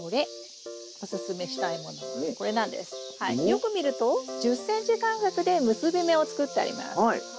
よく見ると１０ｃｍ間隔で結び目を作ってあります。